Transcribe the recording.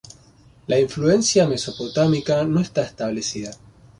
La influencia mesopotámica no está establecida.